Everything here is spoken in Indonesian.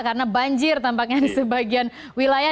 karena banjir tampaknya di sebagian wilayah